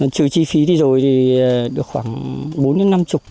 trừ chi phí đi rồi thì được khoảng bốn năm chục